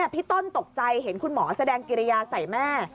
พี่ต้นตกใจเห็นคุณหมอแสดงกิริยาใส่แม่